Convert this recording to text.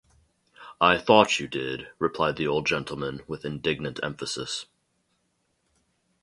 ‘I thought you did,’ replied the old gentleman, with indignant emphasis.